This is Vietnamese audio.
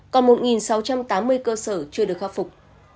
còn một sáu trăm tám mươi cơ sở chưa được khắc phục